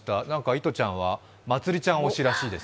いとちゃんはまつりちゃん推しらしいです。